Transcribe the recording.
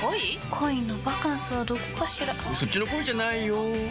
恋のバカンスはどこかしらそっちの恋じゃないよ